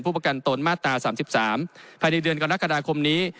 ประกันตนมาตรา๓๓ภายในเดือนกรกฎาคมนี้